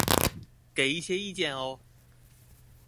給一些意見喔!